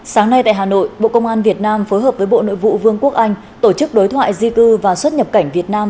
sáng nay tại hà nội bộ công an việt nam phối hợp với bộ nội vụ vương quốc anh tổ chức đối thoại di cư và xuất nhập cảnh việt nam